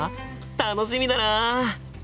楽しみだな！